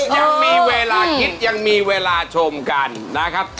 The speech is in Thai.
ยังมีเวลาคิดยังมีเวลาชมกันนะครับ